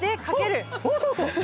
そうそうそう。